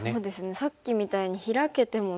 さっきみたいにヒラけてもないですもんね。